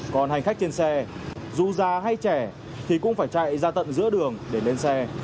còn hành khách trên xe dù già hay trẻ thì cũng phải chạy ra tận giữa đường để lên xe